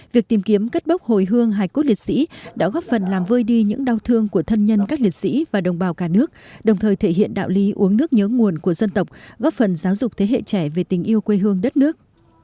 việc tìm kiếm cất bốc hồi hương hài cốt liệt sĩ đã góp phần làm vơi đi những đau thương của thân nhân các liệt sĩ và đồng bào cả nước đồng thời thể hiện đạo lý uống nước nhớ nguồn của dân tộc góp phần giáo dục thế hệ trẻ về tình yêu quê hương đất nước